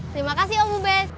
terima kasih om ubes